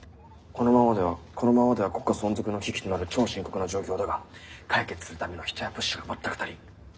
このままではこのままでは国家存続の危機となる超深刻な状況だが解決するための人や物資が全く足りん。